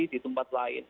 di tempat lain